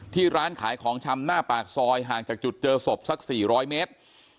ร้านขายของชำหน้าปากซอยห่างจากจุดเจอศพสัก๔๐๐เมตร